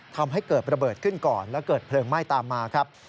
ทำให้เกิดระเบิดขึ้นก่อนและเกิดเพลิงไหม้ตามมาครับ